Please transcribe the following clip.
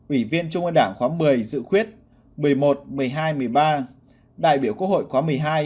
ủy viên trung ương đảng khóa một mươi dự khuyết một mươi một một mươi hai một mươi ba đại biểu quốc hội khóa một mươi hai một mươi bốn một mươi năm